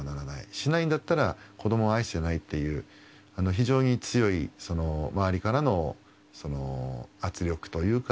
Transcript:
しないんだったら、子どもを愛してないっていう、非常に強い、周りからの圧力というか。